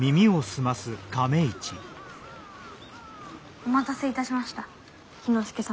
・「お待たせいたしました氷ノ介様」。